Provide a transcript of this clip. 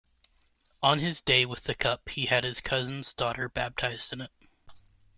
On his day with the Cup, he had his cousin's daughter baptized in it.